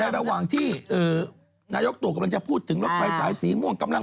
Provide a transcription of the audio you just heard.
ระหว่างที่นายกตู่กำลังจะพูดถึงรถไฟสายสีม่วงกำลัง